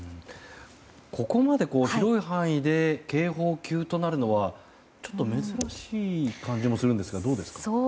ここまで広い範囲で警報級となるのはちょっと珍しい感じもするんですが。